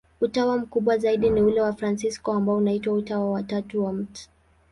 Utawa mkubwa zaidi ni ule wa Wafransisko, ambao unaitwa Utawa wa Tatu wa Mt.